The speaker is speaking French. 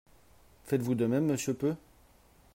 Faites-vous de même, monsieur Peu?